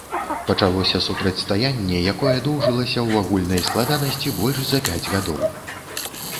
Пачалося супрацьстаянне, якое доўжылася ў агульнай складанасці больш за пяць гадоў.